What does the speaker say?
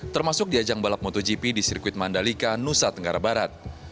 termasuk di ajang balap motogp di sirkuit mandalika nusa tenggara barat